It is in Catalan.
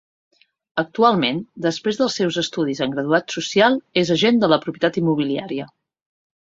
Actualment, després dels seus estudis en Graduat Social, és agent de la Propietat Immobiliària.